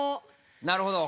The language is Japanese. なるほど。